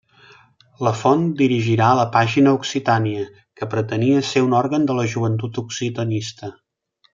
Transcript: Lafont dirigirà la pàgina Occitània, que pretenia ser un òrgan de la joventut occitanista.